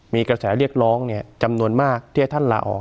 มีกระแสเรียกร้องจำนวนมากที่ให้ท่านลาออก